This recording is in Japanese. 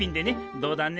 どうだね？